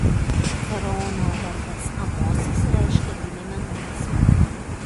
Faraono vardas Amosis reiškia „Gimė mėnulis“.